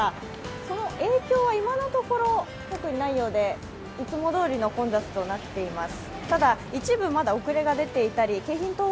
その影響は今のところ特にないようで、いつもどおりの混雑となっています。